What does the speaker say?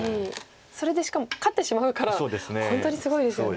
それでしかも勝ってしまうから本当にすごいですよね。